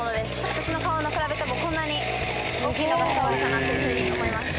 私の顔と比べてもこんなに大きいのが伝わるかなというふうに思います。